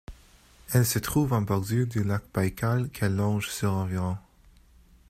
Elle se trouve en bordure du lac Baïkal qu'elle longe sur environ.